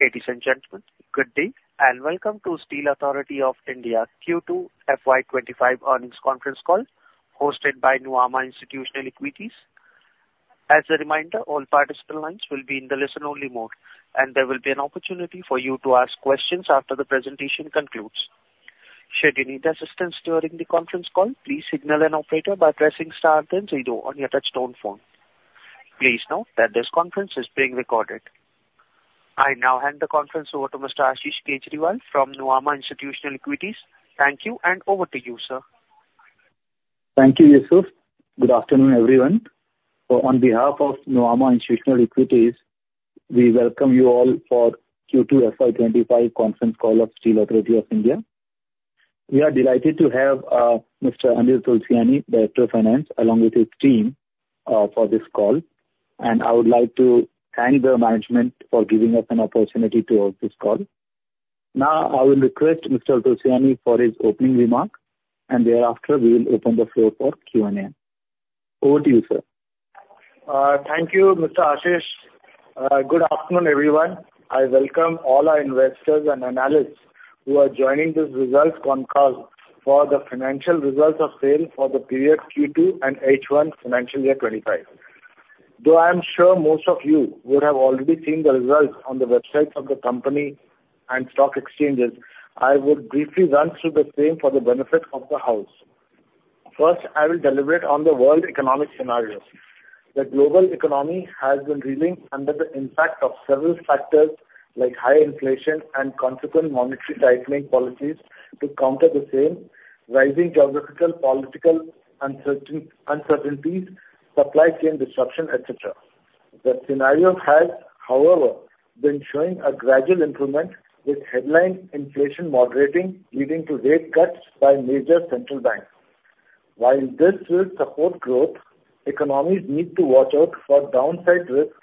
Ladies and gentlemen, good day, and welcome to Steel Authority of India Q2 FY25 Earnings Conference Call hosted by Nuvama Institutional Equities. As a reminder, all participant lines will be in the listen-only mode, and there will be an opportunity for you to ask questions after the presentation concludes. Should you need assistance during the conference call, please signal an operator by pressing star then zero on your touch-tone phone. Please note that this conference is being recorded. I now hand the conference over to Mr. Ashish Kejriwal from Nuvama Institutional Equities. Thank you, and over to you, sir. Thank you, Yusuf. Good afternoon, everyone. On behalf of Nuvama Institutional Equities, we welcome you all for Q2 FY25 conference call of Steel Authority of India. We are delighted to have Mr. Anil Tulsiani, Director of Finance, along with his team for this call, and I would like to thank the management for giving us an opportunity to host this call. Now, I will request Mr. Tulsiani for his opening remark, and thereafter, we will open the floor for Q&A. Over to you, sir. Thank you, Mr. Ashish. Good afternoon, everyone. I welcome all our investors and analysts who are joining this results conference for the financial results of SAIL for the period Q2 and H1 financial year 2025. Though I am sure most of you would have already seen the results on the websites of the company and stock exchanges, I would briefly run through the same for the benefit of the house. First, I will deliberate on the world economic scenarios. The global economy has been reeling under the impact of several factors like high inflation and consequent monetary tightening policies to counter the same rising geographical, political uncertainties, supply chain disruption, etc. The scenario has, however, been showing a gradual improvement with headline inflation moderating, leading to rate cuts by major central banks. While this will support growth, economies need to watch out for downside risks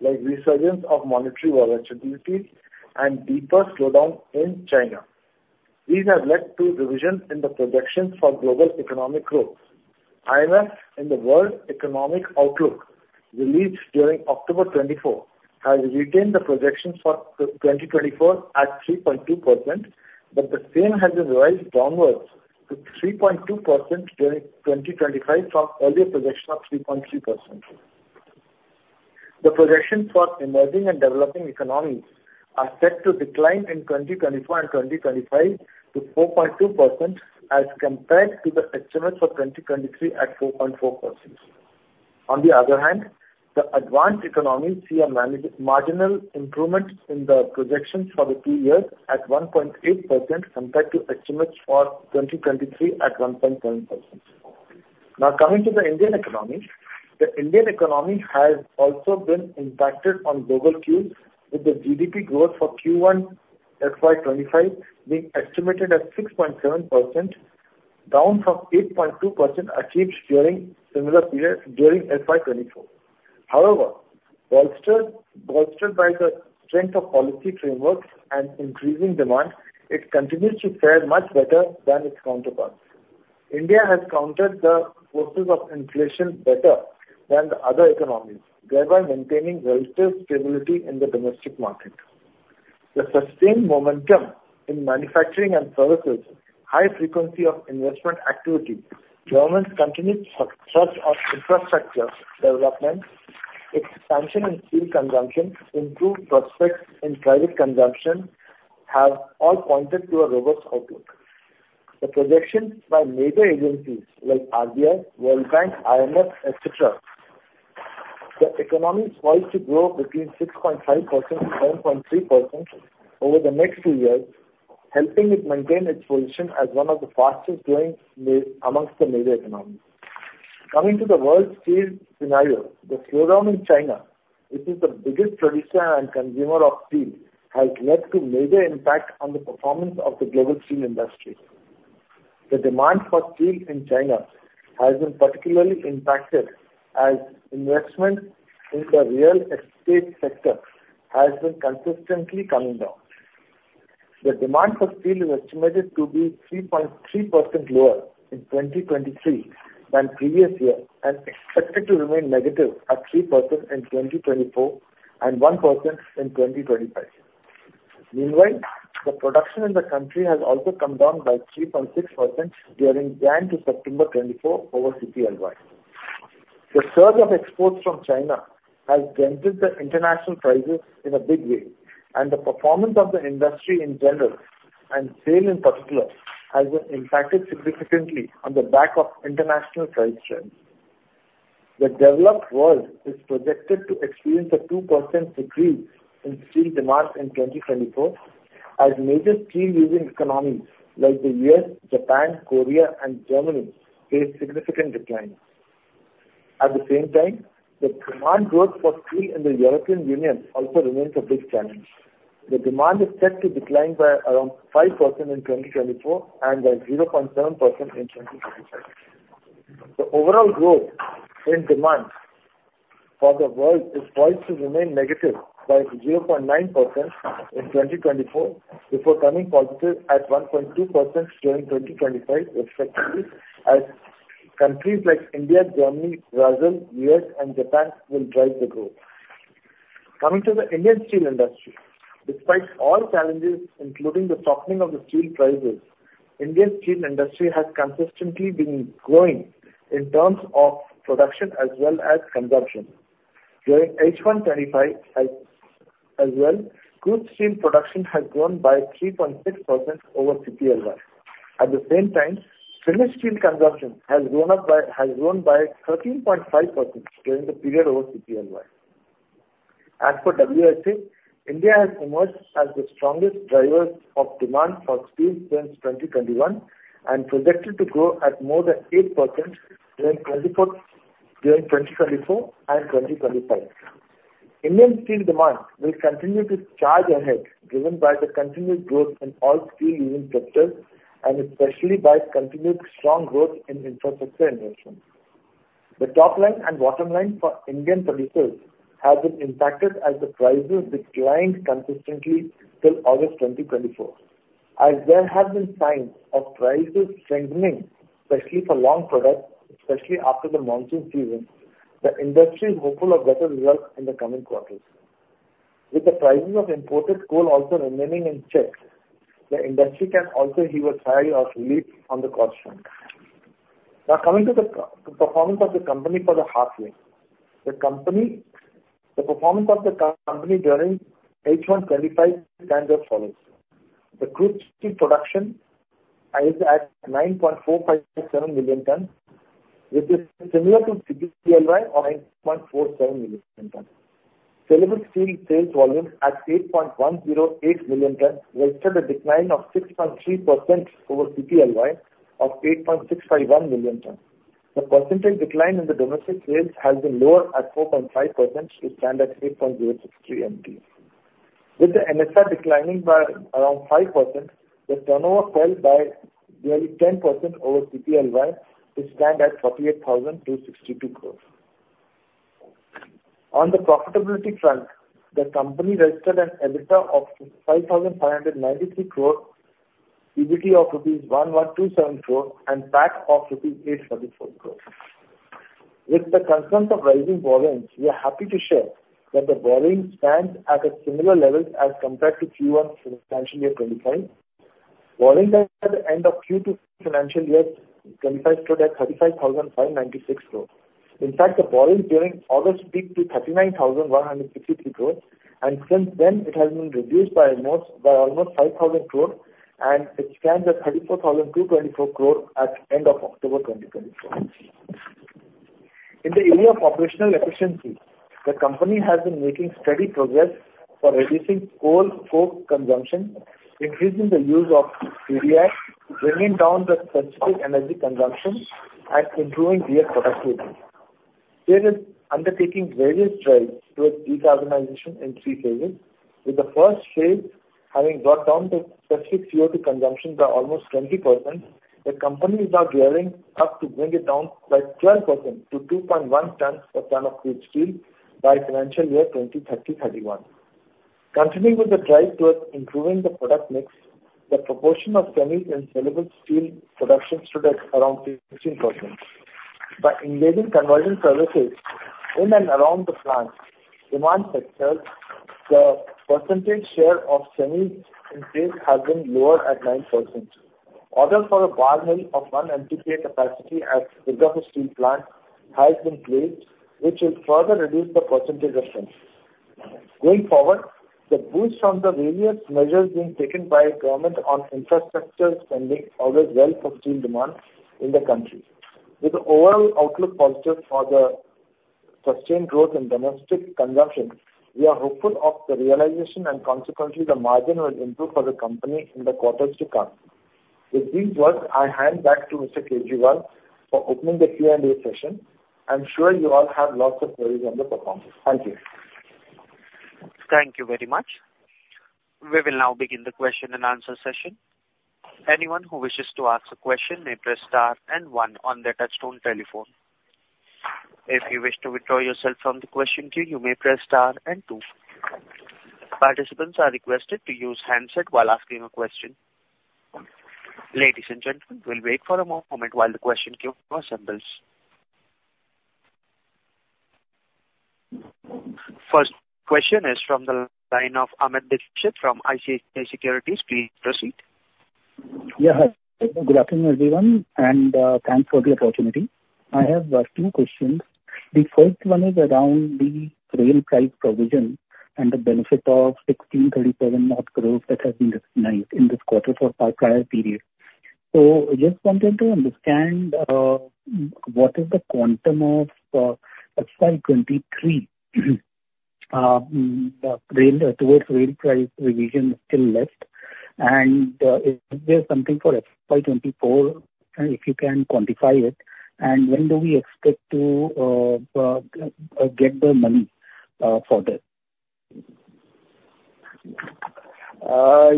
like resurgence of monetary volatility and deeper slowdown in China. These have led to revisions in the projections for global economic growth. IMF, in the World Economic Outlook released during October 24, has retained the projections for 2024 at 3.2%, but the same has been revised downwards to 3.2% during 2025 from earlier projections of 3.3%. The projections for emerging and developing economies are set to decline in 2024 and 2025 to 4.2% as compared to the estimates for 2023 at 4.4%. On the other hand, the advanced economies see a marginal improvement in the projections for the two years at 1.8% compared to estimates for 2023 at 1.7%. Now, coming to the Indian economy, the Indian economy has also been impacted on global cues, with the GDP growth for Q1 FY25 being estimated at 6.7%, down from 8.2% achieved during similar periods during FY24. However, bolstered by the strength of policy frameworks and increasing demand, it continues to fare much better than its counterparts. India has countered the forces of inflation better than the other economies, thereby maintaining relative stability in the domestic market. The sustained momentum in manufacturing and services, high frequency of investment activity, government continued thrust of infrastructure development, expansion in steel consumption, improved prospects in private consumption have all pointed to a robust outlook. The projections by major agencies like RBI, World Bank, IMF, etc., the economy is poised to grow between 6.5% to 7.3% over the next two years, helping it maintain its position as one of the fastest growing among the major economies. Coming to the world steel scenario, the slowdown in China, which is the biggest producer and consumer of steel, has led to a major impact on the performance of the global steel industry. The demand for steel in China has been particularly impacted as investment in the real estate sector has been consistently coming down. The demand for steel is estimated to be 3.3% lower in 2023 than previous year and expected to remain negative at 3% in 2024 and 1% in 2025. Meanwhile, the production in the country has also come down by 3.6% during the end of September 2024 over CPLY. The surge of exports from China has dented the international prices in a big way, and the performance of the industry in general and steel in particular has been impacted significantly on the back of international price trends. The developed world is projected to experience a 2% decrease in steel demand in 2024 as major steel using economies like the U.S., Japan, Korea, and Germany face significant declines. At the same time, the demand growth for steel in the European Union also remains a big challenge. The demand is set to decline by around 5% in 2024 and by 0.7% in 2025. The overall growth in demand for the world is poised to remain negative by 0.9% in 2024 before turning positive at 1.2% during 2025, respectively, as countries like India, Germany, Brazil, the U.S., and Japan will drive the growth. Coming to the Indian steel industry, despite all challenges, including the softening of the steel prices, the Indian steel industry has consistently been growing in terms of production as well as consumption. During H125 as well, crude steel production has grown by 3.6% over CPLY. At the same time, finished steel consumption has grown by 13.5% during the period over CPLY. As per WSA, India has emerged as the strongest driver of demand for steel since 2021 and projected to grow at more than 8% during 2024 and 2025. Indian steel demand will continue to charge ahead driven by the continued growth in all steel using sectors and especially by continued strong growth in infrastructure investment. The top line and bottom line for Indian producers have been impacted as the prices declined consistently till August 2024. As there have been signs of prices strengthening, especially for long products, especially after the monsoon season, the industry is hopeful of better results in the coming quarters. With the prices of imported coal also remaining in check, the industry can also heave a sigh of relief on the cost front. Now, coming to the performance of the company for the half year, the performance of the company during H125 stands as follows. The crude steel production is at 9.457 million tons, which is similar to CPLY of 9.47 million tons. Saleable steel sales volume at 8.108 million tons registered a decline of 6.3% over CPLY of 8.651 million tons. The percentage decline in the domestic sales has been lower at 4.5% to stand at 8.063 MTs. With the NSR declining by around 5%, the turnover fell by nearly 10% over CPLY to stand at 48,262 crores. On the profitability front, the company registered an EBITDA of 5,593 crores, EBITDA of 1,127 crores rupees, and PAC of 844 crores rupees. With the concerns of rising borrowings, we are happy to share that the borrowing stands at a similar level as compared to Q1 financial year 2025. Borrowing at the end of Q2 financial year 2025 stood at 35,596 crores. In fact, the borrowing during August peaked to 39,153 crores, and since then, it has been reduced by almost 5,000 crores, and it stands at 34,224 crores at the end of October 2024. In the area of operational efficiency, the company has been making steady progress for reducing coal coke consumption, increasing the use of PVF, bringing down the specific energy consumption, and improving grid productivity. We are undertaking various drives towards decarbonization in three phases, with the first phase having brought down the specific CO2 consumption by almost 20%. The company is now gearing up to bring it down by 12% to 2.1 tons per ton of crude steel by financial year 2030-31. Continuing with the drive towards improving the product mix, the proportion of semis in saleable steel production stood at around 16%. By engaging convergence services in and around the plant, demand sectors, the percentage share of semis in sales has been lower at 9%. Order for a Bar Mill of 1 MTPA capacity at Durgapur Steel Plant has been placed, which will further reduce the percentage of semis. Going forward, the boost from the various measures being taken by government on infrastructure spending bodes well for steel demand in the country. With the overall outlook positive for the sustained growth in domestic consumption, we are hopeful of the realization and consequently the margin will improve for the company in the quarters to come. With these words, I hand back to Mr. Kejriwal for opening the Q&A session. I'm sure you all have lots of queries on the performance. Thank you. Thank you very much. We will now begin the question-and-answer session. Anyone who wishes to ask a question may press star and one on their touch-tone telephone. If you wish to withdraw yourself from the question queue, you may press star and two. Participants are requested to use handset while asking a question. Ladies and gentlemen, we'll wait for a moment while the question queue assembles. First question is from the line of Amit Dixit from ICICI Securities. Please proceed. Yeah, hi. Good afternoon, everyone, and thanks for the opportunity. I have two questions. The first one is around the rail price provision and the benefit of 1637 lakh crores growth that has been recognized in this quarter for a prior period. So I just wanted to understand what is the quantum of FY23 towards rail price revision still left? And is there something for FY24, if you can quantify it? And when do we expect to get the money for this?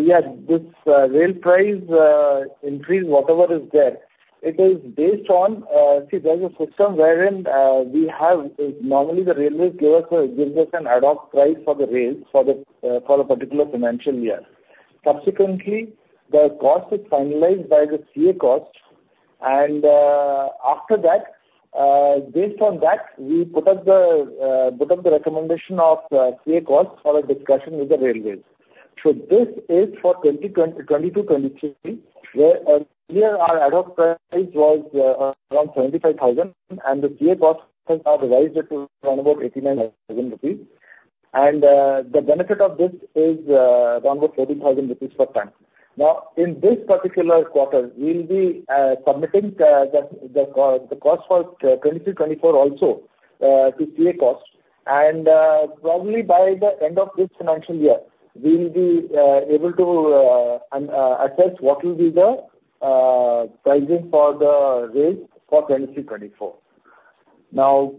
Yes, this rail price increase, whatever is there, it is based on, see, there's a system wherein we have normally the railways give us an ad hoc price for the rails for a particular financial year. Subsequently, the cost is finalized by the CA Cost. And after that, based on that, we put up the recommendation of CA Cost for a discussion with the railways. So this is for 2022-23, where earlier our ad hoc price was around 75,000, and the CA Cost is revised to be around 89,000 rupees. And the benefit of this is around 40,000 rupees per ton. Now, in this particular quarter, we'll be submitting the cost for 2023-24 also to CA Cost. And probably by the end of this financial year, we'll be able to assess what will be the pricing for the rails for 2023-24. Now,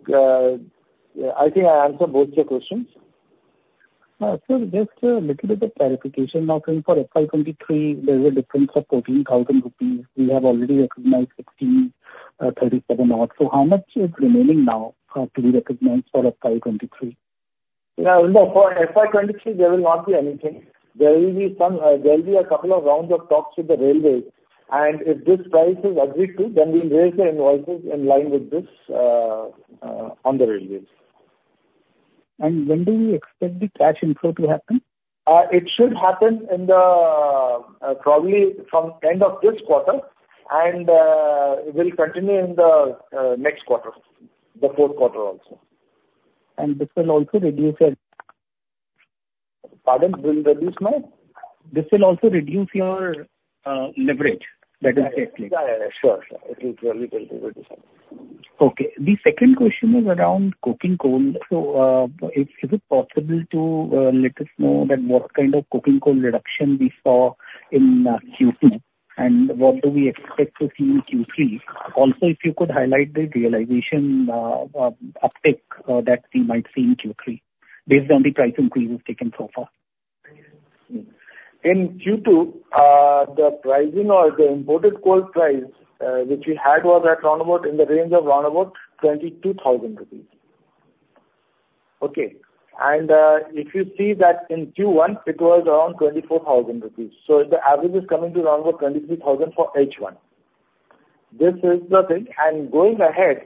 I think I answered both your questions. So just a little bit of clarification now. For FY23, there's a difference of 14,000 rupees. We have already recognized 1637 lakh crores. So how much is remaining now to be recognized for FY23? Yeah, no, for FY23, there will not be anything. There will be a couple of rounds of talks with the railways. And if this price is agreed to, then we'll raise the invoices in line with this on the railways. When do we expect the cash inflow to happen? It should happen probably from the end of this quarter, and it will continue in the next quarter, the fourth quarter also. This will also reduce it. Pardon? Will reduce my? This will also reduce your leverage that is taking. Sure, sure. It will reduce it. Okay. The second question is around coking coal. So is it possible to let us know what kind of coking coal reduction we saw in Q2, and what do we expect to see in Q3? Also, if you could highlight the realization uptick that we might see in Q3 based on the price increases taken so far. In Q2, the pricing or the imported coal price, which we had, was at around about in the range of around about 22,000 rupees. Okay. And if you see that in Q1, it was around 24,000 rupees. So the average is coming to around about 23,000 for H1. This is the thing. And going ahead,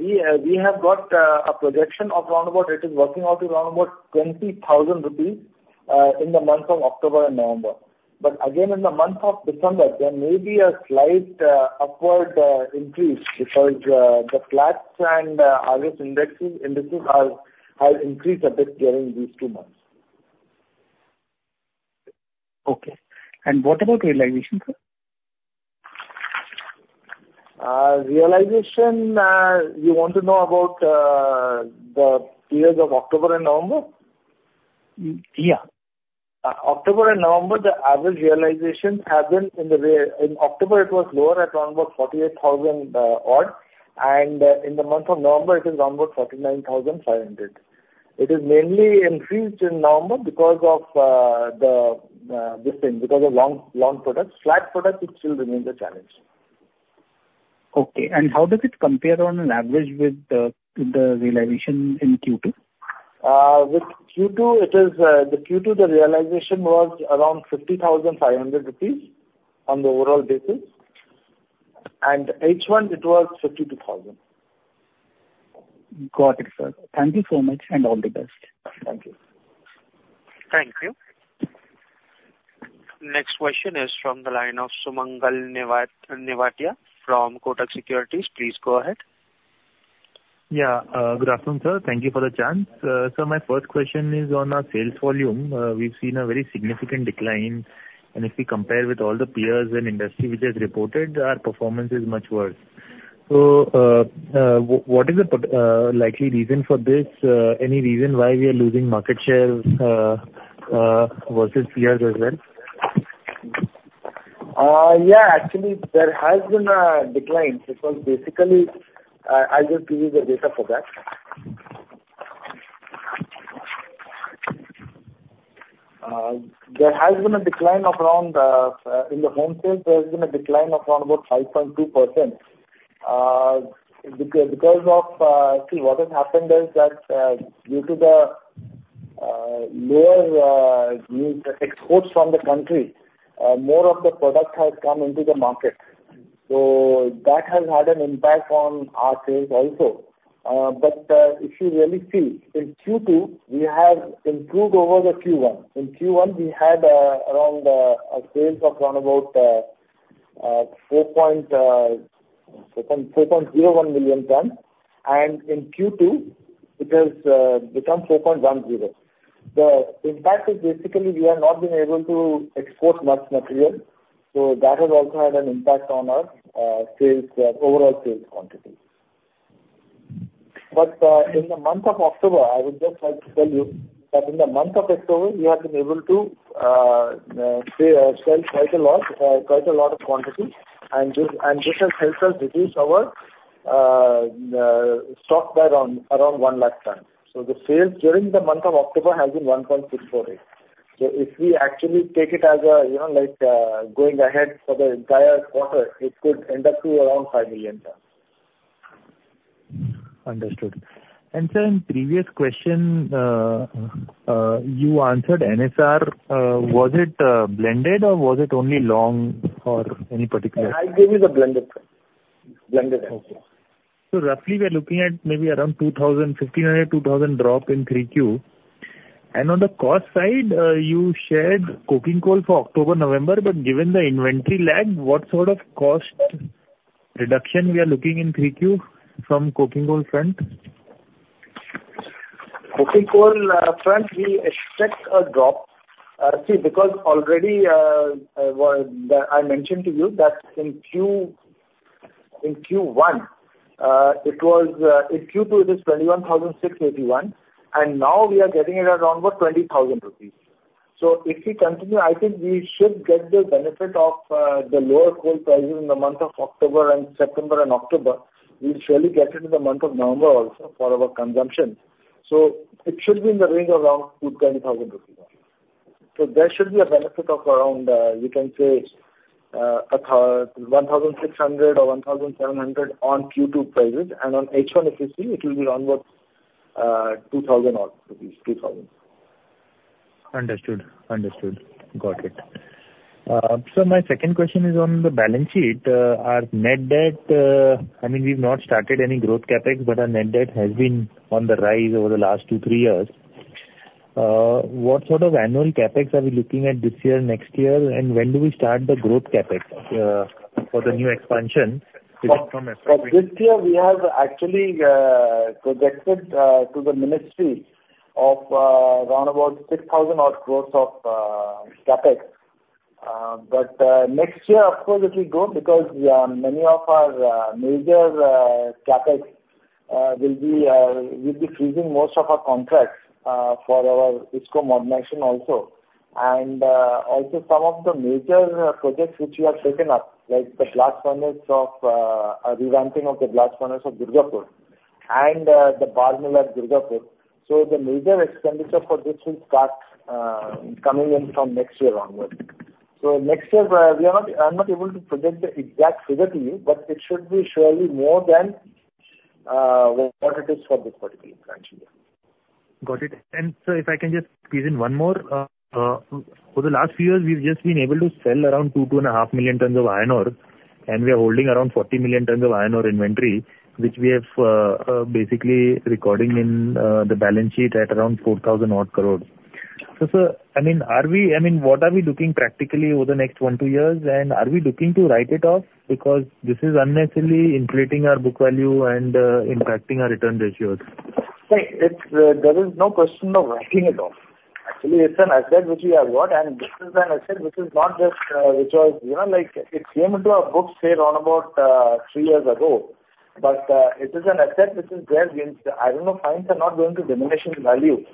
we have got a projection of around about, it is working out to around about 20,000 rupees in the month of October and November. But again, in the month of December, there may be a slight upward increase because the Platts and Argus indexes have increased a bit during these two months. Okay. What about realization, sir? Realization, you want to know about the period of October and November? Yeah. October and November, the average realization has been in October, it was lower at around about 48,000 odd. And in the month of November, it is around about 49,500. It is mainly increased in November because of this thing, because of long products. Flat products still remain the challenge. Okay, and how does it compare on average with the realization in Q2? With Q2, the realization was around 50,500 rupees on the overall basis, and H1, it was 52,000. Got it, sir. Thank you so much and all the best. Thank you. Thank you. Next question is from the line of Sumangal Nevatia from Kotak Securities. Please go ahead. Yeah, Gurathan, sir. Thank you for the chance. So my first question is on our sales volume. We've seen a very significant decline. And if we compare with all the peers and industry which has reported, our performance is much worse. So what is the likely reason for this? Any reason why we are losing market share versus peers as well? Yeah, actually, there has been a decline. Because basically, I'll just give you the data for that. There has been a decline of around 5.2% in the home sales. Because of, see, what has happened is that due to the lower exports from the country, more of the product has come into the market. So that has had an impact on our sales also. But if you really see, in Q2, we have improved over the Q1. In Q1, we had sales of around 4.01 million tons. And in Q2, it has become 4.10. The impact is basically we have not been able to export much material. So that has also had an impact on our overall sales quantity. But in the month of October, I would just like to tell you that in the month of October, we have been able to sell quite a lot, quite a lot of quantity. And this has helped us reduce our stock by around one lakh tons. So the sales during the month of October has been 1.648. So if we actually take it as a going ahead for the entire quarter, it could end up to around 5 million tons. Understood, and sir, in previous question, you answered NSR. Was it blended or was it only long or any particular? I gave you the blended price. Okay. So roughly, we are looking at maybe around 1,500-2,000 drop in 3Q. And on the cost side, you shared coking coal for October, November. But given the inventory lag, what sort of cost reduction we are looking in 3Q from coking coal front? coking coal front, we expect a drop. See, because already I mentioned to you that in Q1, it was in Q2, it is 21,681. Now we are getting it at around about 20,000 rupees. If we continue, I think we should get the benefit of the lower coal prices in the month of September and October. We'll surely get it in the month of November also for our consumption. It should be in the range of around 20,000 rupees. There should be a benefit of around, you can say, 1,600 or 1,700 on Q2 prices. On H1, if you see, it will be around about 2,000 odd, 2,000. Understood. Got it. So my second question is on the balance sheet. Our net debt, I mean, we've not started any growth CapEx, but our net debt has been on the rise over the last two, three years. What sort of annual CapEx are we looking at this year, next year, and when do we start the growth CapEx for the new expansion? So this year, we have actually projected to the ministry of around about 6,000-odd growth of CapEx. But next year, of course, it will go because many of our major CapEx will be freezing most of our contracts for our IISCO modernization also. And also some of the major projects which we have taken up, like the blast furnace of revamping of the blast furnace of Durgapur and the bar mill at Durgapur. So the major expenditure for this will start coming in from next year onward. So next year, I'm not able to predict the exact figure to you, but it should be surely more than what it is for this particular tranche. Got it. Sir, if I can just squeeze in one more. For the last few years, we've just been able to sell around two to 2.5 million tons of iron ore, and we are holding around 40 million tons of iron ore inventory, which we have basically recording in the balance sheet at around 4,000 odd crores. Sir, I mean, what are we looking practically over the next one, two years, and are we looking to write it off? Because this is unnecessarily inflating our book value and impacting our return ratios. There is no question of writing it off. Actually, it's an asset which we have got, and this is an asset which is not just which was it came into our books here around about three years ago. But it is an asset which is there, which I don't know, fines are not going to diminish in value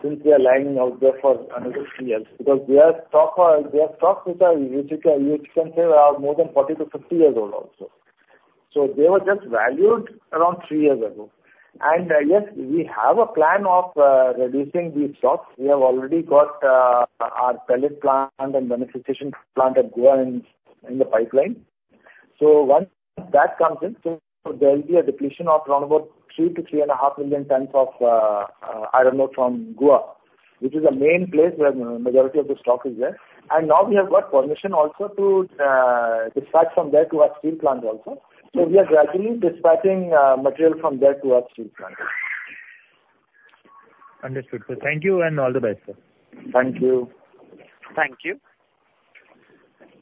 since we are lying out there for another three years. Because we have stocks which can say are more than 40-50 years old also. So they were just valued around three years ago. And yes, we have a plan of reducing these stocks. We have already got our pellet plant and beneficiation plant at Gua in the pipeline. Once that comes in, there will be a depletion of around about 3 to 3.5 million tons of iron ore from Gua, which is the main place where the majority of the stock is there. Now we have got permission also to dispatch from there to our steel plant also. We are gradually dispatching material from there to our steel plant. Understood. So thank you and all the best, sir. Thank you. Thank you.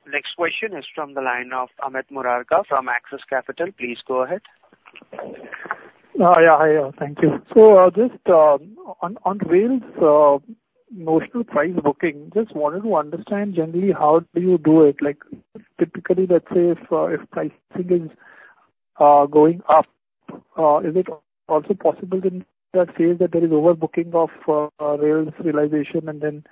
Next question is from the line of Amit Murarka from Axis Capital. Please go ahead. Yeah, hi. Thank you. So just on rails, notional price booking, just wanted to understand generally how do you do it? Typically, let's say if pricing is going up, is it also possible in that phase that there is overbooking of rails realization, and then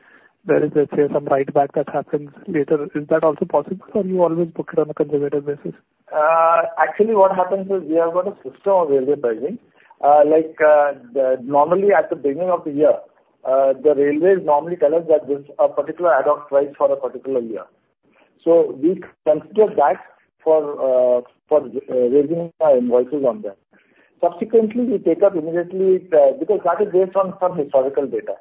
there is, let's say, some write-back that happens later? Is that also possible, or you always book it on a conservative basis? Actually, what happens is we have got a system of railway budgeting. Normally, at the beginning of the year, the railways normally tell us that there's a particular ad hoc price for a particular year. So we consider that for raising our invoices on that. Subsequently, we take up immediately because that is based on some historical data.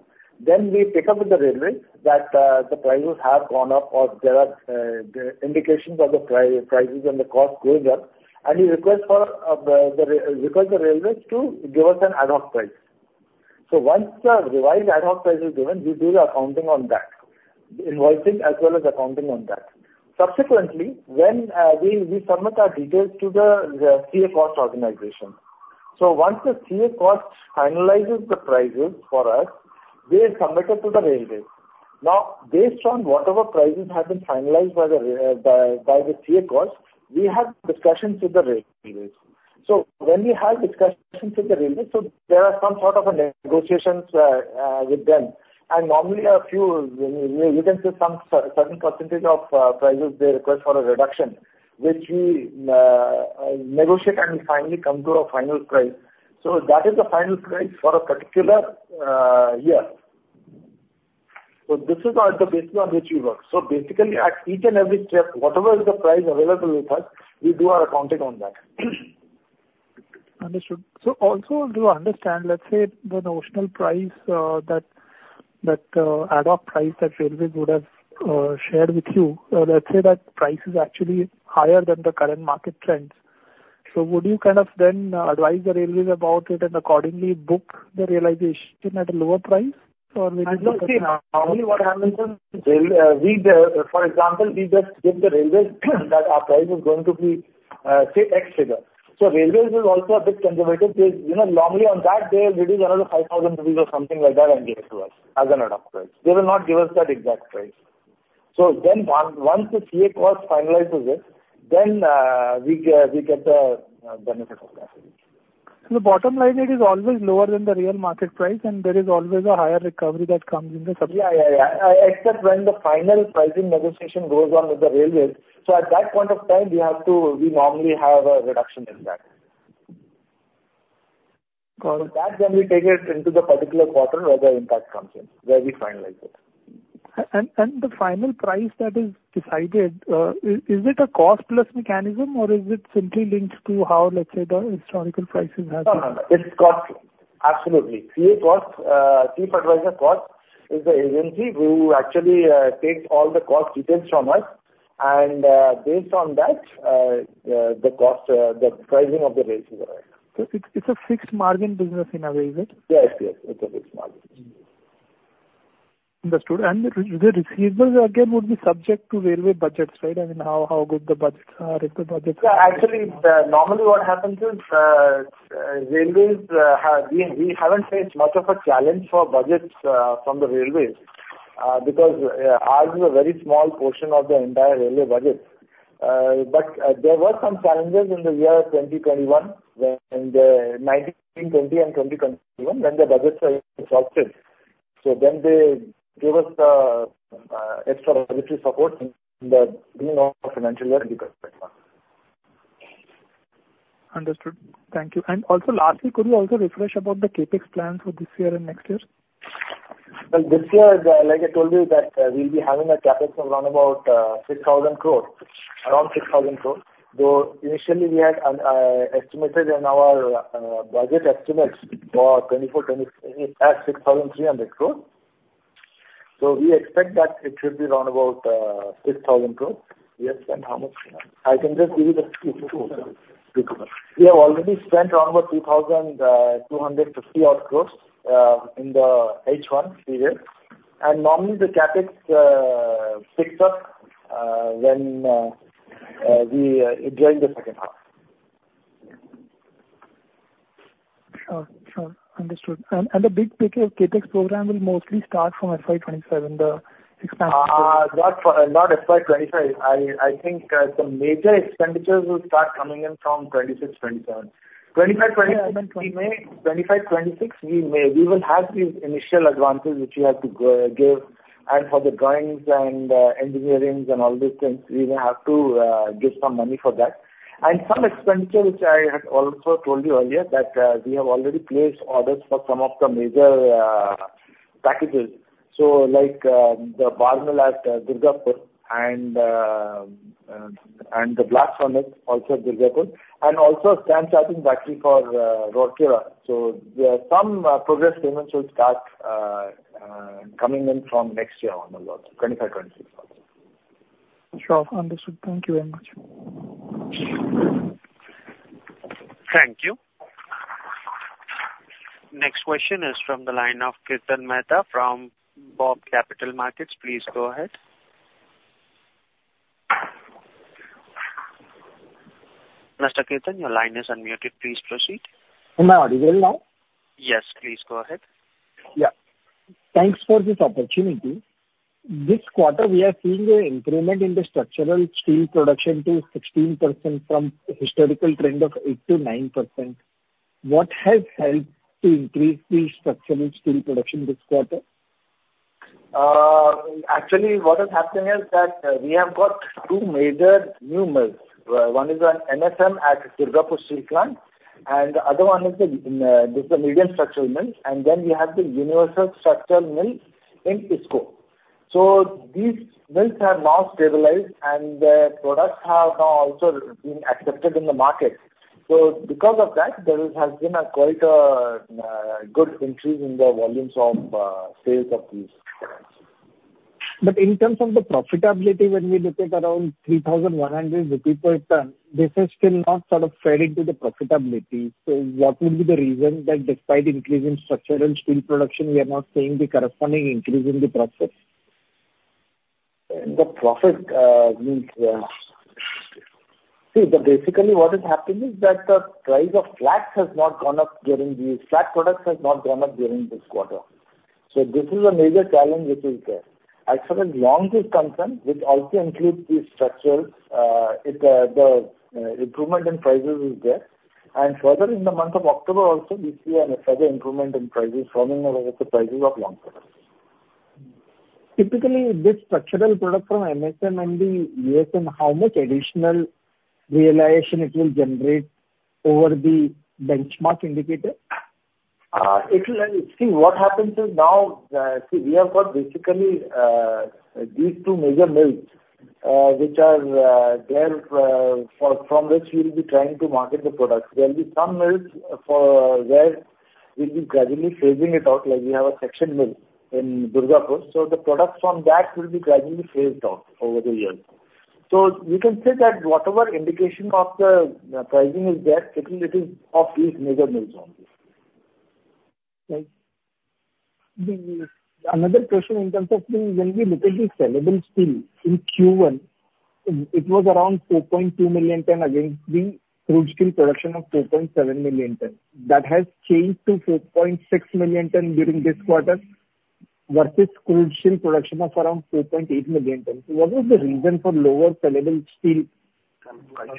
Then we pick up with the railways that the prices have gone up or there are indications of the prices and the cost going up, and we request the railways to give us an ad hoc price. So once the revised ad hoc price is given, we do the accounting on that, invoicing as well as accounting on that. Subsequently, we submit our details to the CA Cost organization. So once the CA Cost finalizes the prices for us, they submit it to the railways. Now, based on whatever prices have been finalized by the CA Cost, we have discussions with the railways. So when we have discussions with the railways, so there are some sort of negotiations with them. And normally, you can see some certain percentage of prices they request for a reduction, which we negotiate and we finally come to a final price. So that is the final price for a particular year. So this is the basis on which we work. So basically, at each and every step, whatever is the price available with us, we do our accounting on that. Understood. So also, to understand, let's say the notional price, that ad hoc price that railways would have shared with you, let's say that price is actually higher than the current market trends. So would you kind of then advise the railways about it and accordingly book the realization at a lower price? I'm not sure. Normally, what happens is, for example, we just give the railways that our price is going to be, say, X figure. So railways are also a bit conservative. Normally, on that, they'll reduce another 5,000 rupees or something like that and give it to us as an ad hoc price. They will not give us that exact price. So then once the CA Cost finalizes it, then we get the benefit of that. So the bottom line, it is always lower than the real market price, and there is always a higher recovery that comes in the subsequent. Yeah, yeah, yeah. Except when the final pricing negotiation goes on with the railways. So at that point of time, we normally have a reduction in that. So that, then we take it into the particular quarter where the impact comes in, where we finalize it. The final price that is decided, is it a cost-plus mechanism, or is it simply linked to how, let's say, the historical prices have been? No, no, no. It's cost-plus. Absolutely. CA cost, Chief Adviser Cost, is the agency who actually takes all the cost details from us. And based on that, the pricing of the rails is arranged. So it's a fixed margin business in a way, is it? Yes, yes. It's a fixed margin. Understood. And the receivables, again, would be subject to railway budgets, right? I mean, how good the budgets are, if the budgets are. Yeah. Actually, normally what happens is Railways, we haven't faced much of a challenge for budgets from the Railways because ours is a very small portion of the entire railway budget. But there were some challenges in the year 2019, 2020, and 2021, when the budgets were exhausted. So then they gave us the extra budgetary support in the beginning of the financial year 2021. Understood. Thank you. And also, lastly, could you also refresh about the CapEx plans for this year and next year? This year, like I told you, that we'll be having a CapEx of around about 6,000 crores, around 6,000 crores. Though initially, we had estimated in our budget estimates for 2024, 2025, 6,300 crores. So we expect that it should be around about 6,000 crores. We have spent how much? I can just give you the figure. We have already spent around about 2,250 odd crores in the H1 period. And normally, the CapEx picks up when we join the second half. Sure. Sure. Understood, and the big picture of CapEx program will mostly start from FY 27, the expansion budget? Not FY 25. I think the major expenditures will start coming in from 26, 27. 25, 26, we may. We will have these initial advances which we have to give. And for the drawings and engineerings and all these things, we will have to give some money for that. And some expenditure, which I had also told you earlier, that we have already placed orders for some of the major packages. So like the bar mill at Durgapur and the blast furnace also at Durgapur. And also a stamp charging battery for Rourkela. So some progress payments will start coming in from next year onwards, 25, 26 also. Sure. Understood. Thank you very much. Thank you. Next question is from the line of Kirtan Mehta from BOB Capital Markets. Please go ahead. Mr. Kirtan, your line is unmuted. Please proceed. Am I audible now? Yes. Please go ahead. Yeah. Thanks for this opportunity. This quarter, we are seeing an increment in the structural steel production to 16% from historical trend of 8%-9%. What has helped to increase the structural steel production this quarter? Actually, what has happened is that we have got two major new mills. One is an MSM at Durgapur Steel Plant, and the other one is the medium structural mill. And then we have the universal structural mill in IISCO. So these mills have now stabilized, and the products have now also been accepted in the market. So because of that, there has been a quite good increase in the volumes of sales of these products. But in terms of the profitability, when we look at around 3,100 rupees per ton, this has still not sort of fed into the profitability. So what would be the reason that despite increasing structural steel production, we are not seeing the corresponding increase in the profits? The profit means see, basically what has happened is that the price of flat has not gone up during these flat products have not gone up during this quarter. So this is a major challenge which is there. Actually, as long as this comes in, which also includes the structural, the improvement in prices is there. And further in the month of October also, we see a further improvement in prices forming over the prices of long products. Typically, this structural product from MSM and the USM, how much additional realization it will generate over the benchmark indicator? See, what happens is now, see, we have got basically these two major mills which are there from which we'll be trying to market the products. There will be some mills where we'll be gradually phasing it out. Like we have a section mill in Durgapur. So the products from that will be gradually phased out over the years. So we can say that whatever indication of the pricing is there, it is of these major mills only. Thanks. Another question in terms of when we look at the saleable steel in Q1, it was around 4.2 million ton against the crude steel production of 4.7 million ton. That has changed to 4.6 million ton during this quarter versus crude steel production of around 4.8 million ton. What was the reason for lower saleable steel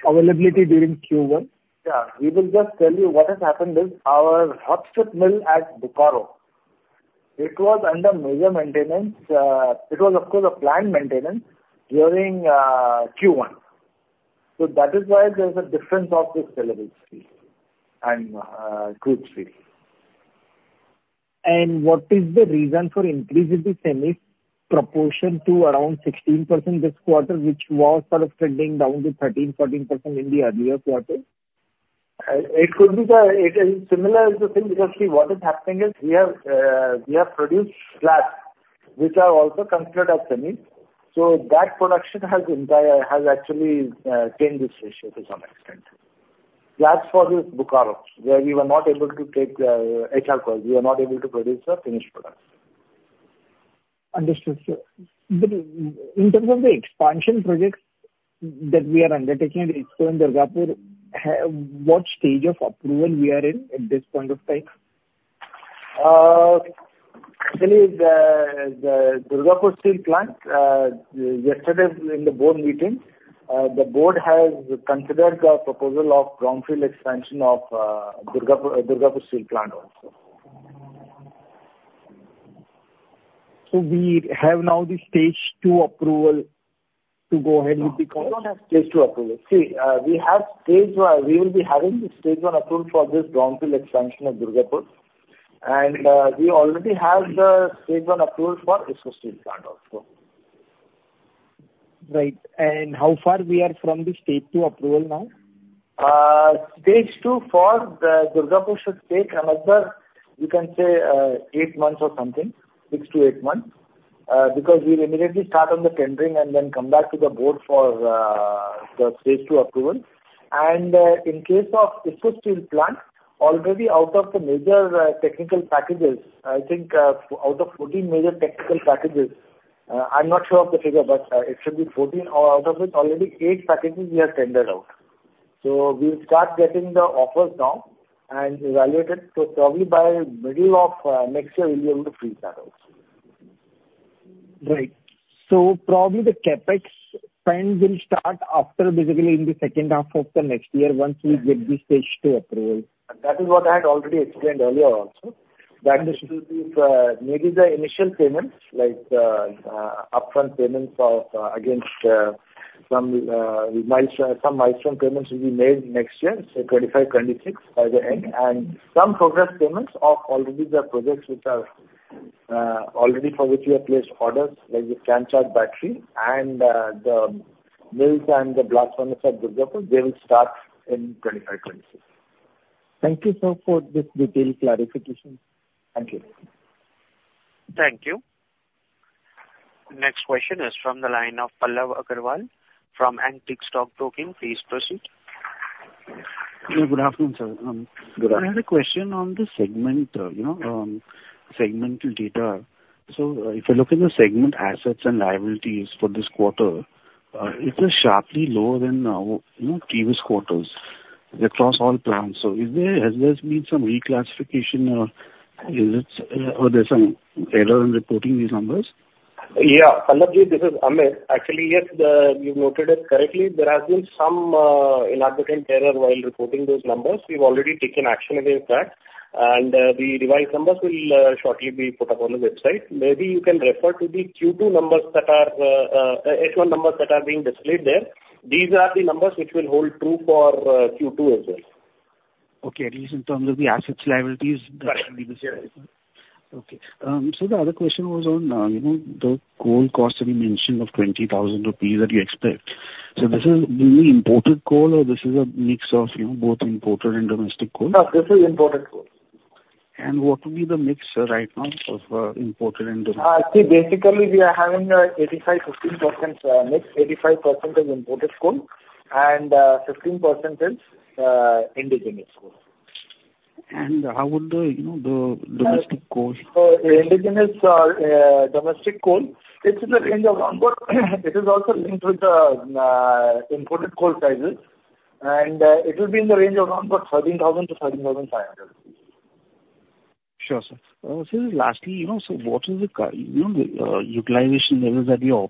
availability during Q1? Yeah. We will just tell you what has happened is our hot strip mill at Bokaro, it was under major maintenance. It was, of course, a planned maintenance during Q1. So that is why there is a difference of the saleable steel and crude steel. And what is the reason for increasing the semis proportion to around 16% this quarter, which was sort of trending down to 13%-14% in the earlier quarter? It could be similar to thing because see what is happening is we have produced flats which are also considered as semis. So that production has actually changed this ratio to some extent. Flats for this Bokaro where we were not able to take HRCs. We were not able to produce the finished products. Understood. So in terms of the expansion projects that we are undertaking at IISCO in Durgapur, what stage of approval we are in at this point of time? Actually, the Durgapur Steel Plant, yesterday in the board meeting, the board has considered the proposal of brownfield expansion of Durgapur Steel Plant also. So we have now the stage two approval to go ahead with the call? We don't have stage two approval. See, we have stage one. We will be having the stage one approval for this brownfield expansion of Durgapur, and we already have the stage one approval for IISCO Steel Plant also. Right. And how far we are from the stage two approval now? Stage two for Durgapur should take another, you can say, eight months or something, six to eight months because we'll immediately start on the tendering and then come back to the board for the stage two approval. In case of IISCO Steel Plant, already out of the major technical packages, I think out of 14 major technical packages, I'm not sure of the figure, but it should be 14, or out of it, already eight packages we have tendered out. We'll start getting the offers now and evaluate it. Probably by middle of next year, we'll be able to freeze that also. Right. So probably the CapEx spend will start after, basically, in the second half of the next year once we get the stage two approval. That is what I had already explained earlier also. That maybe the initial payments, like upfront payments against some milestone payments will be made next year, so 2025, 2026 by the end. Some progress payments of already the projects which are already for which we have placed orders, like the stamp charged battery and the mills and the blast furnace at Durgapur, they will start in 2025, 2026. Thank you, sir, for this detailed clarification. Thank you. Thank you. Next question is from the line of Pallav Agarwal from Antique Stock Broking. Please proceed. Good afternoon, sir. I had a question on the segmental data. So if I look at the segment assets and liabilities for this quarter, it's sharply lower than previous quarters across all plants. So has there been some reclassification, or is there some error in reporting these numbers? Yeah. Pallav ji, this is Amit. Actually, yes, you've noted it correctly. There has been some inadvertent error while reporting those numbers. We've already taken action against that. And the revised numbers will shortly be put up on the website. Maybe you can refer to the Q2 numbers that are H1 numbers that are being displayed there. These are the numbers which will hold true for Q2 as well. Okay. At least in terms of the assets liabilities, that should be the same. Okay. So the other question was on the coal cost that you mentioned of 20,000 rupees that you expect. So this is mainly imported coal, or this is a mix of both imported and domestic coal? No, this is imported coal. What would be the mix right now of imported and domestic coal? See, basically, we are having 85% mixed, 85% is imported coal, and 15% is indigenous coal. And how would the domestic coal? Indigenous or domestic coal, it's in the range of around, but it is also linked with the imported coal prices, and it will be in the range of around about 13,000-13,500. Sure, sir. So lastly, so what are the utilization levels that you're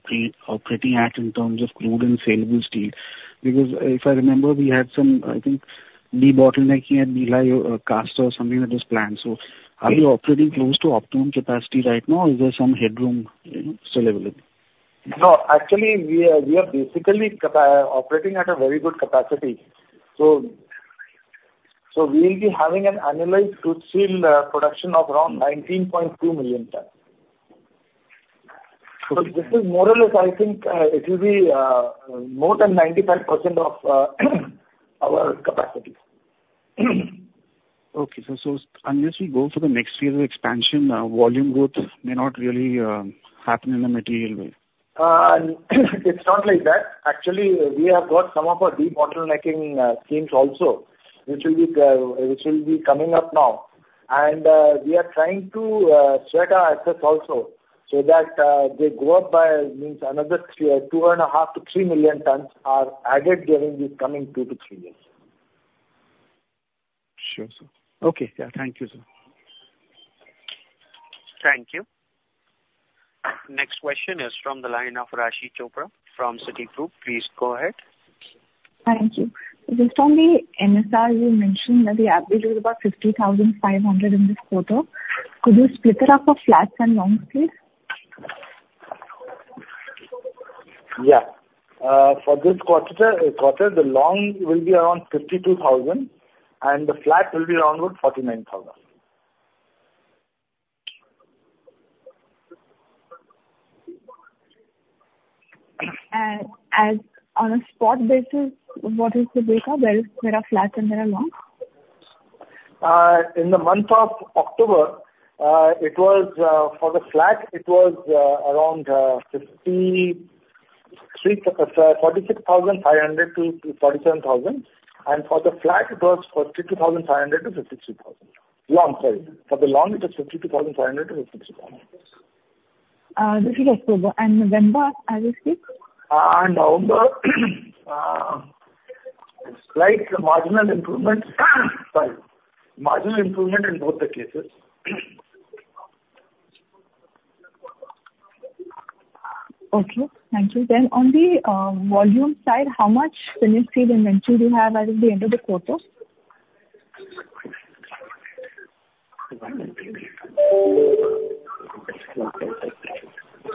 operating at in terms of crude and saleable steel? Because if I remember, we had some, I think, debottlenecking at Bhilai Bokaro or something that was planned. So are we operating close to optimum capacity right now, or is there some headroom still available? No. Actually, we are basically operating at a very good capacity. So we'll be having an annualized crude steel production of around 19.2 million tons. So this is more or less, I think, it will be more than 95% of our capacity. Okay. So unless we go for the next phase of expansion, volume growth may not really happen in a material way? It's not like that. Actually, we have got some of our debottlenecking schemes also, which will be coming up now. And we are trying to shed our assets also so that they go up by, means another 2.5-3 million tons are added during these coming two to three years. Sure, sir. Okay. Yeah. Thank you, sir. Thank you. Next question is from the line of Raashi Chopra from Citigroup. Please go ahead. Thank you. Just on the NSR, you mentioned that the average was about 50,500 in this quarter. Could you split it up for flats and longs, please? Yeah. For this quarter, the longs will be around 52,000, and the flats will be around about 49,000. On a spot basis, what is the breakup? There are flats and there are longs? In the month of October, for the flat, it was around 46,500-47,000. Long, sorry. For the long, it was 52,500-53,000. This is October and November, as you speak? November, slight marginal improvement. Sorry. Marginal improvement in both the cases. Okay. Thank you. Then on the volume side, how much finished steel inventory do you have as of the end of the quarter?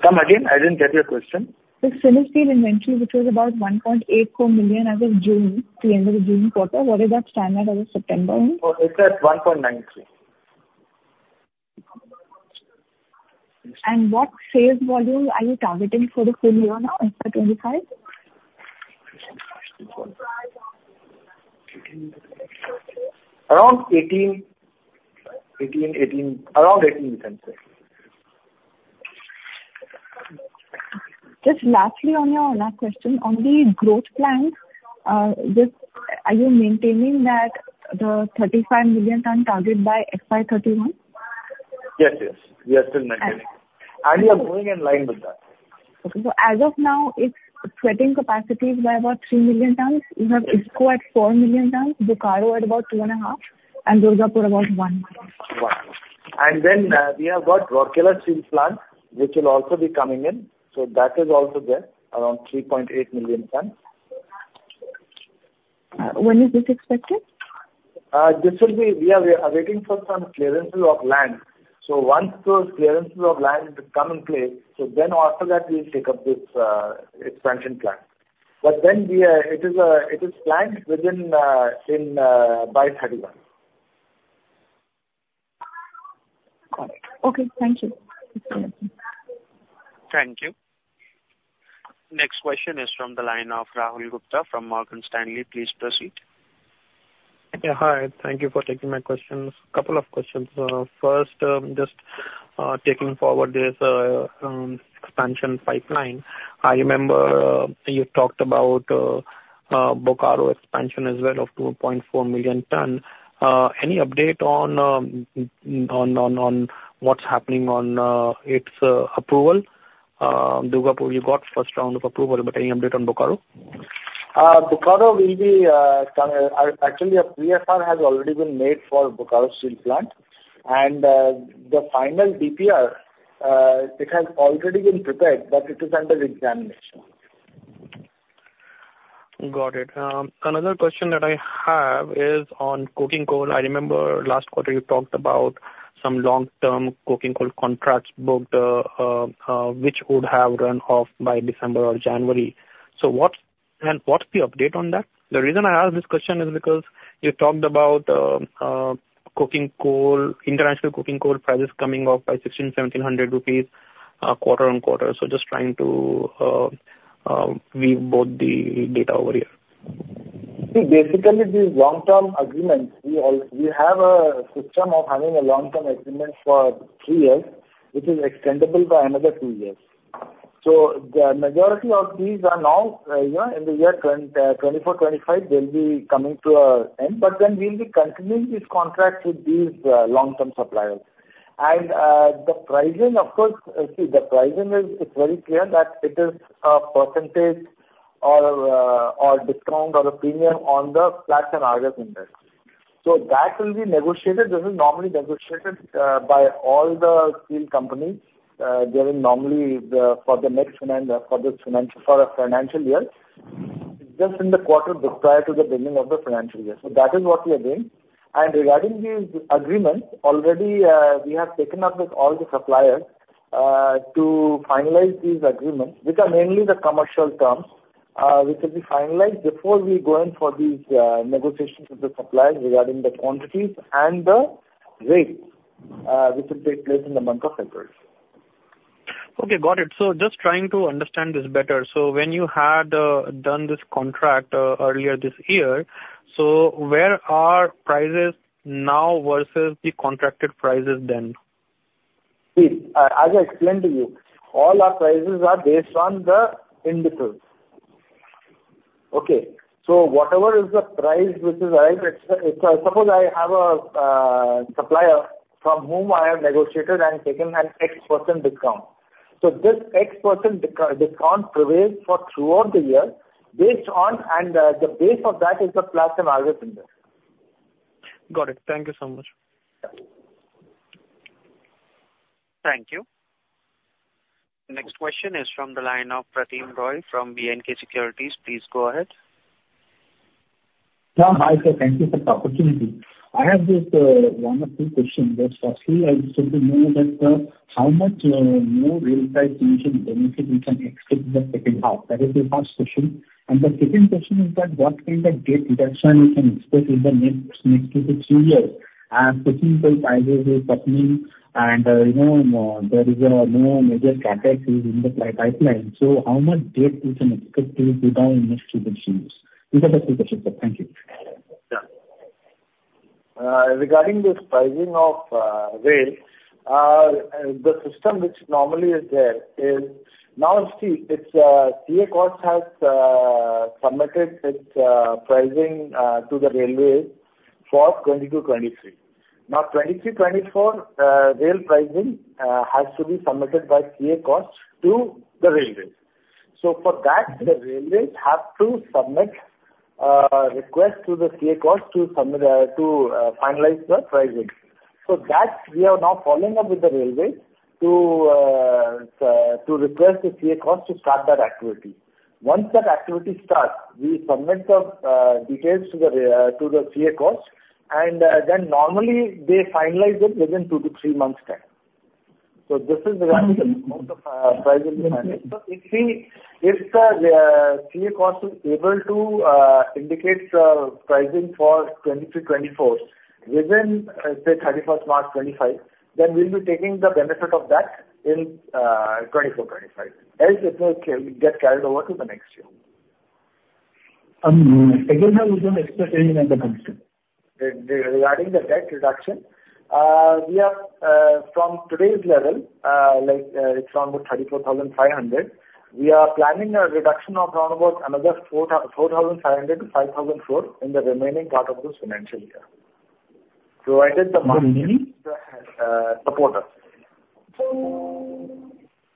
Come again? I didn't get your question. The finished steel inventory, which was about 1.84 million as of June, the end of the June quarter, what is that standard as of September? It's at 1.93. What sales volume are you targeting for the full year now, for 2025? Around 18, you can say. Just lastly on your last question, on the growth plan, are you maintaining that the 35 million ton target by FY31? Yes, yes. We are still maintaining, and we are moving in line with that. Okay. So as of now, its sweating capacity is by about 3 million tons. You have IISCO at 4 million tons, Bokaro at about 2.5, and Durgapur about 1. And then we have got Rourkela Steel Plant, which will also be coming in. So that is also there, around 3.8 million tons. When is this expected? We are waiting for some clearances of land. So once those clearances of land come in place, so then after that, we'll take up this expansion plan. But then it is planned within by 31. Got it. Okay. Thank you. Thank you. Next question is from the line of Rahul Gupta from Morgan Stanley. Please proceed. Yeah. Hi. Thank you for taking my questions. A couple of questions. First, just taking forward this expansion pipeline. I remember you talked about Bokaro expansion as well of 2.4 million ton. Any update on what's happening on its approval? Durgapur, you got first round of approval, but any update on Bokaro? Bokaro will be actually, a pre-assignment has already been made for Bokaro Steel Plant. And the final DPR, it has already been prepared, but it is under examination. Got it. Another question that I have is on coking coal. I remember last quarter, you talked about some long-term coking coal contracts booked, which would have run off by December or January. What's the update on that? The reason I ask this question is because you talked about international coking coal prices coming off by 1,600-1,700 rupees quarter on quarter. Just trying to weave both the data over here. See, basically, these long-term agreements, we have a system of having a long-term agreement for three years, which is extendable by another two years. So the majority of these are now in the year 2024, 2025, they'll be coming to an end. But then we'll be continuing these contracts with these long-term suppliers. And the pricing, of course, see, the pricing is very clear that it is a percentage or discount or a premium on the flat and long industry. So that will be negotiated. This is normally negotiated by all the steel companies during normally for the next financial year, just in the quarter prior to the beginning of the financial year. So that is what we are doing. Regarding these agreements, already we have taken up with all the suppliers to finalize these agreements, which are mainly the commercial terms, which will be finalized before we go in for these negotiations with the suppliers regarding the quantities and the rates, which will take place in the month of February. Okay. Got it. So just trying to understand this better. So when you had done this contract earlier this year, so where are prices now versus the contracted prices then? See, as I explained to you, all our prices are based on the indicators. Okay. So whatever is the price which is, suppose I have a supplier from whom I have negotiated and taken an X% discount. So this X% discount prevails for throughout the year based on, and the base of that is the Platts and Argus indices. Got it. Thank you so much. Thank you. Next question is from the line of Pratim Roy from B&K Securities. Please go ahead. Yeah. Hi, sir. Thank you for the opportunity. I have just one or two questions. Firstly, I just want to know how much more realization benefit we can expect in the second half. That is the first question. And the second question is that what kind of cost reduction we can expect in the next two to three years? As coking coal prices are flattening and there is no major catch-up in the pipeline, so how much cost we can expect to put down in next two to three years? These are the two questions. Thank you. Yeah. Regarding the pricing of rail, the system which normally is there is now, see, CA Cost has submitted its pricing to the Railways for 2022, 2023. Now, 2023, 2024, rail pricing has to be submitted by CA Cost to the Railways. So for that, the Railways have to submit a request to the CA Cost to finalize the pricing. So that we are now following up with the Railways to request the CA Cost to start that activity. Once that activity starts, we submit the details to the CA Cost, and then normally they finalize it within two to three months' time. So this is the pricing we finance. So if the CA Cost is able to indicate the pricing for 2023, 2024 within, say, 31st March 2025, then we'll be taking the benefit of that in 2024, 2025, as it will get carried over to the next year. Again, how we can expect any other benefit? Regarding the debt reduction, from today's level, it's around about 34,500. We are planning a reduction of around about another 4,500 to 5,400 in the remaining part of this financial year, provided the marketing support us.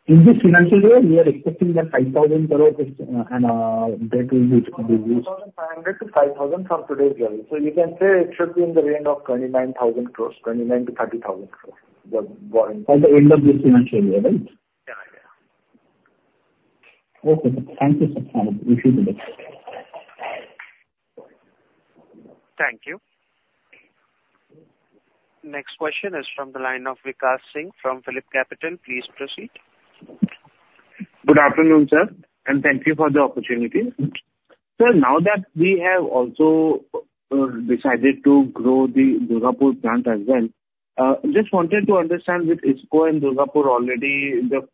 In this financial year, we are expecting that 5,000 or so, and that will be used. 34,500-5,000 from today's level. So you can say it should be in the range of 29,000 crores, 29,000-30,000 crores by the end of this financial year, right? Yeah. Yeah. Okay. Thank you so much. Wish you the best. Thank you. Next question is from the line of Vikash Singh from PhillipCapital. Please proceed. Good afternoon, sir. And thank you for the opportunity. So now that we have also decided to grow the Durgapur plant as well, just wanted to understand with IISCO and Durgapur already the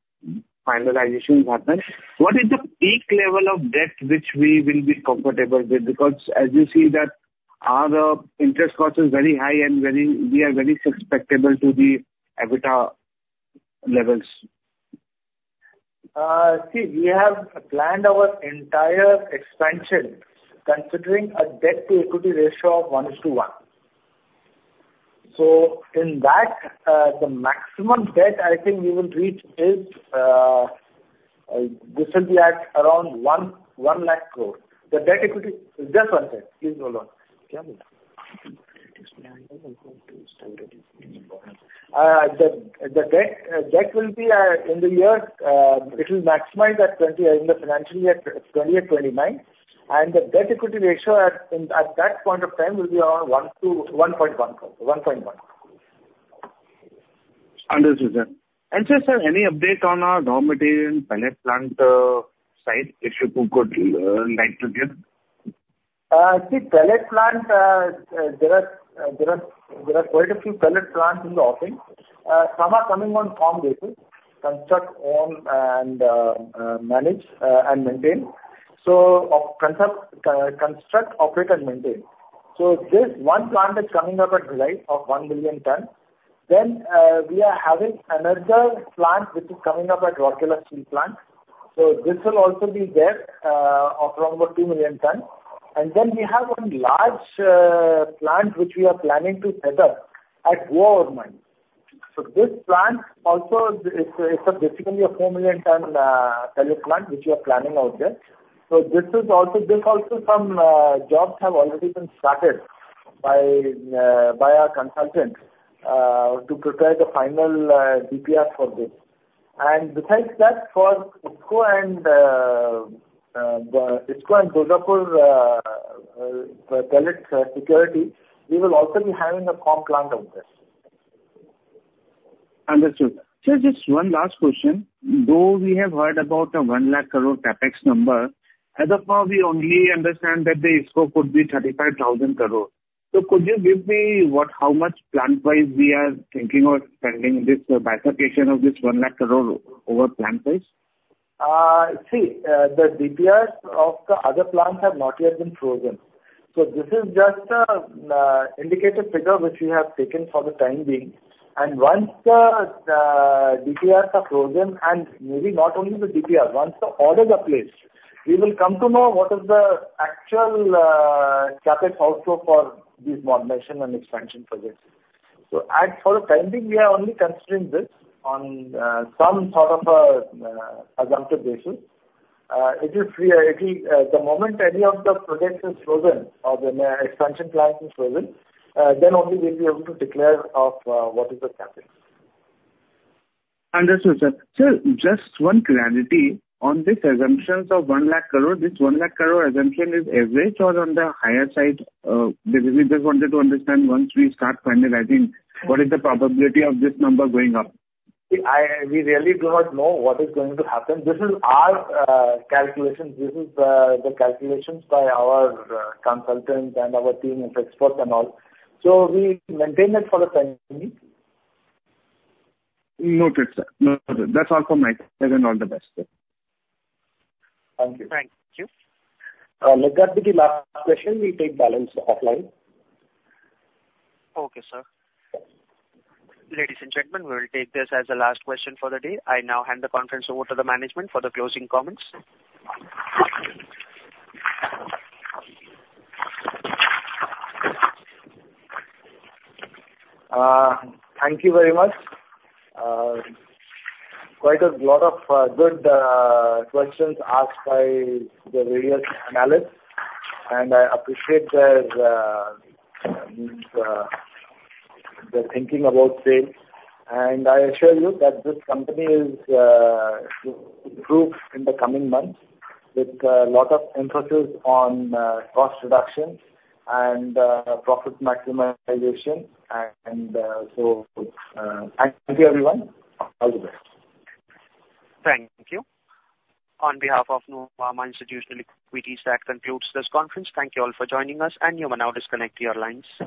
finalization happened, what is the peak level of debt which we will be comfortable with? Because as you see that our interest cost is very high and we are very susceptible to the EBITDA levels. See, we have planned our entire expansion considering a debt-to-equity ratio of 1:1. So in that, the maximum debt I think we will reach is this will be at around 1 lakh crore. The debt equity just one second. Please hold on. The debt will be in the year it will maximize at 20,000 crore in the financial year 2029. And the debt-equity ratio at that point of time will be around 1.1. Understood, sir. And just, sir, any update on our raw material pellet plant site if you could like to give? See, pellet plant, there are quite a few pellet plants in the offing. Some are coming on firm basis. Construct, own, and manage, and maintain. So construct, operate, and maintain. So this one plant is coming up at Durgapur of one million ton. Then we are having another plant which is coming up at Rourkela Steel Plant. So this will also be there of around about two million ton. And then we have one large plant which we are planning to set up at Gua Mines. So this plant also is basically a four million ton pellet plant which we are planning out there. So this is also some jobs have already been started by our consultant to prepare the final DPR for this. And besides that, for IISCO and Durgapur pellet facility, we will also be having a firm plant out there. Understood. Sir, just one last question. Though we have heard about the one lakh crore CapEx number, as of now, we only understand that the IISCO could be 35,000 crores. So could you give me how much plant-wise we are thinking of spending in this bifurcation of this one lakh crore over plant-wise? See, the DPRs of the other plants have not yet been frozen, so this is just an indicator figure which we have taken for the time being, and once the DPRs are frozen and maybe not only the DPR, once the orders are placed, we will come to know what is the actual CapEx outflow for these modernization and expansion projects, so for the time being, we are only considering this on some sort of a presumptive basis. The moment any of the projects is frozen or the expansion plans are frozen, then only we'll be able to declare what is the CapEx. Understood, sir. Sir, just one clarity on this assumptions of 1 lakh crore. This 1 lakh crore assumption is average or on the higher side? We just wanted to understand once we start finalizing, what is the probability of this number going up? We really do not know what is going to happen. This is our calculation. This is the calculations by our consultants and our team of experts and all. So we maintain that for the time being. Noted, sir. Noted. That's all from my side and all the best. Thank you. Thank you. Let that be the last question. We'll take balance offline. Okay, sir. Ladies and gentlemen, we'll take this as the last question for the day. I now hand the conference over to the management for the closing comments. Thank you very much. Quite a lot of good questions asked by the various analysts. And I appreciate their thinking about sales. And I assure you that this company will improve in the coming months with a lot of emphasis on cost reduction and profit maximization. And so thank you, everyone. All the best. Thank you. On behalf of Nuvama Institutional Equities, that concludes this conference. Thank you all for joining us, and you may now disconnect your lines.